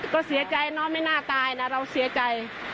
ก็เสียใจเนอะไม่น่าตายนะเราเสียใจ